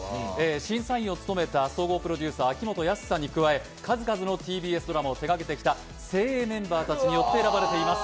審査員を務めた総合プロデューサー秋元康さんに加え数々のＴＢＳドラマを手掛けてきた精鋭メンバーたちによって選ばれています。